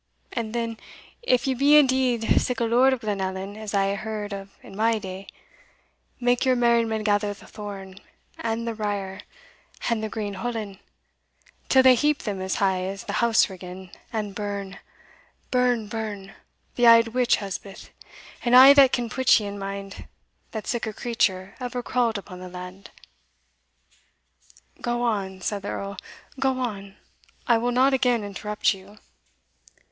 And then if ye be indeed sic a Lord of Glenallan as I hae heard of in my day make your merrymen gather the thorn, and the brier, and the green hollin, till they heap them as high as the house riggin', and burn! burn! burn! the auld witch Elspeth, and a' that can put ye in mind that sic a creature ever crawled upon the land!" "Go on," said the Earl, "go on I will not again interrupt you."